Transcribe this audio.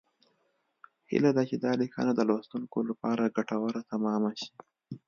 هیله ده چې دا لیکنه د لوستونکو لپاره ګټوره تمامه شي